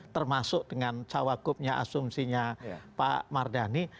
termasuk dengan cawakupnya asumsinya pak mardhani